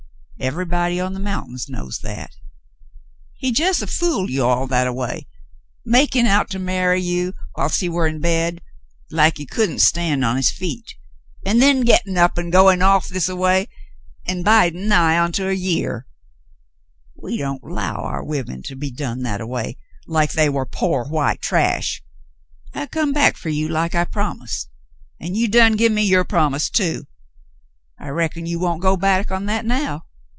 Ev'ybody on the mountins knows that. He jes' have fooled you all that a way, makin' out to marry you whilst he w^ar in bed, like he couldn' stand on his feet, an' then gittin' up an' goin' off this a way, an' bidin' nigh on to a year. We don't 'low our women to be done that a way, like they war pore white trash. I come back fer you like I promised, an' you done gin me your promise, too. I reckon you w^on't go back on that now."